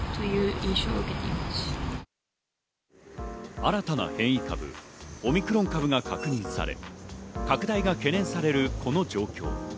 新たな変異株、オミクロン株が確認され、拡大が懸念されるこの状況。